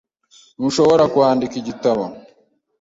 Nshobora kwandika igitabo .